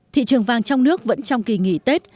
thị trường vàng trong nước vẫn trong kỳ nghỉ tết